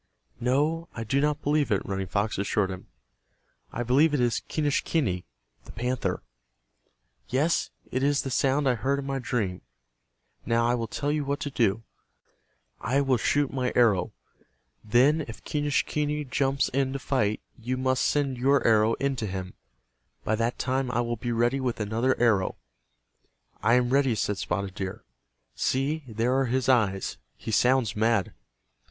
"No, I do not believe it," Running Fox assured him. "I believe it is Quenischquney, the panther. Yes, it is the sound I heard in my dream. Now I will tell you what to do. I will shoot my arrow. Then if Quenisehquney jumps in to fight you must send your arrow into him. By that time I will be ready with another arrow." "I am ready," said Spotted Deer. "See, there are his eyes. He sounds mad."